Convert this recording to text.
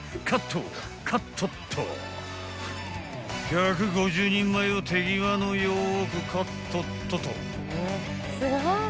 ［１５０人前を手際のよくカットットと］